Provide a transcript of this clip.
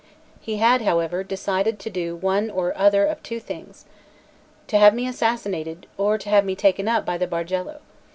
He had, however, decided to do one or other of two things either to have me assassinated, or to have me taken up by the Bargello.